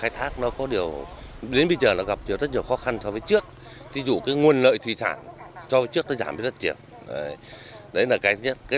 trong nghề khai thác đến bây giờ gặp rất nhiều khó khăn